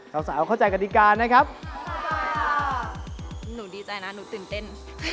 สาวสาวเข้าใจกฎิกานะครับหนูดีใจนะหนูตื่นเต้น